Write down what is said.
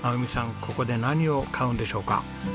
ここで何を買うんでしょうか？